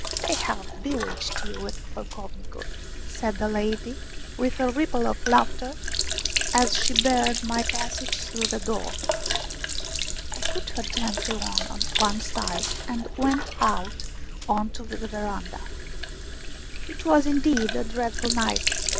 " They have bewitched you at Pocovnicu !" said the lady with a ripple of laughter, as she barred my passage through the door. I put her gently on one side and went out on to the veranda. It was indeed a dreadful night.